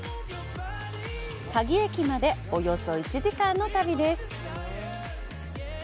嘉義駅まで、およそ１時間の旅です。